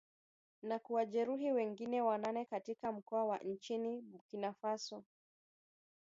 na kuwajeruhi wengine wanane katika mkoa wa nchini Burkina Faso